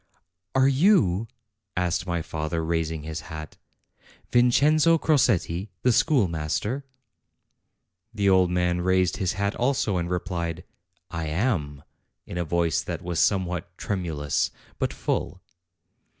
"Are you," asked my father, raising his hat, "Vin cenzo Crosetti, the schoolmaster?" The old man raised his hat also, and replied: "I am," in a voice that was somewhat tremulous, but full.